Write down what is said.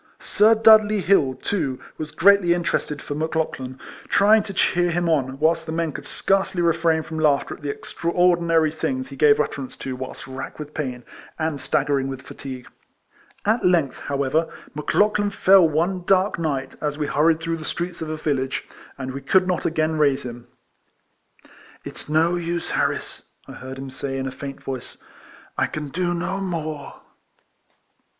Sir Dudley Hill, too, was greatly interested for Mc Lauchlan, trying to cheer him on, whilst the men could scarcely refrain from laughter at the extra ordinary things he gave utterance to whilst racked with pain, and staggering with fatigue. At length, however, Mc Lauchlan fell one dark night, as we hurried through the streets of a village, and we could not again raise him. " It's no use, Harris," I heard him say, in a faint voice, " I can do no more."